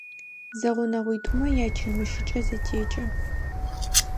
Зэгъунэгъуитӏумэ ячэмыщыкӏэ зэтекӏы.